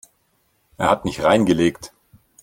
Er hat mich reingelegt.